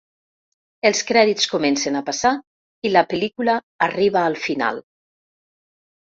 Els crèdits comencen a passar i la pel·lícula arriba al final.